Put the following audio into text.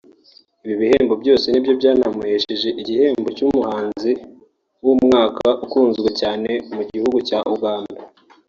Ibi bihembo byose ni byo byanamuhesheje igihembo cy'umuhanzi w'umwaka ukunzwe cyane mu gihugu cya Uganda